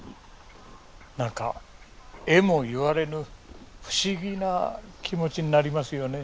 何かえも言われぬ不思議な気持ちになりますよね。